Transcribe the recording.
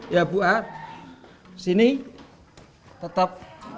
ya bu sini tetap